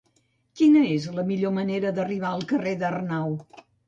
Quina és la millor manera d'arribar al carrer d'Arnau?